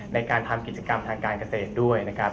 ในการทำกิจกรรมทางการเกษตรด้วยนะครับ